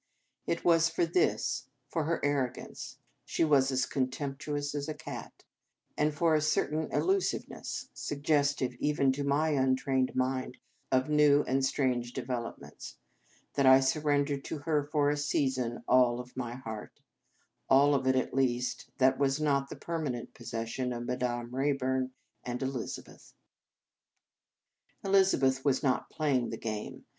It was for this, for her arrogance, she was as contemptuous as a cat, and for a certain elusiveness, suggestive even to my untrained mind of new and strange developments, that I sur rendered to her for a season all of my heart, all of it, at least, that was not the permanent possession of Madame Rayburn and Elizabeth. Elizabeth was not playing the game.